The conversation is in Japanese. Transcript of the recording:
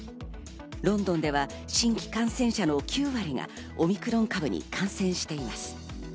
ロンドンでは新規感染者の９割がオミクロン株に感染しています。